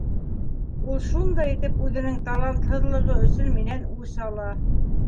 Ул шундай итеп үҙенең талантһыҙлығы өсөн минән үс ала.